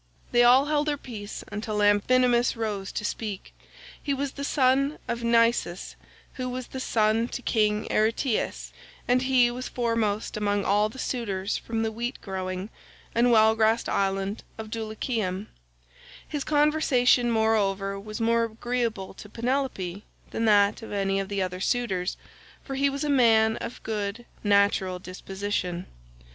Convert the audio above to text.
They all held their peace until Amphinomus rose to speak. He was the son of Nisus, who was son to king Aretias, and he was foremost among all the suitors from the wheat growing and well grassed island of Dulichium; his conversation, moreover, was more agreeable to Penelope than that of any of the other suitors, for he was a man of good natural disposition.